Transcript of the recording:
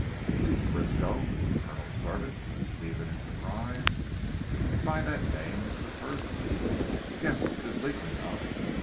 "To Frisco the Colonel's servant!" said Stephen in surprise, "and by that name Mr. Frith?" "Yes! It is legal enough.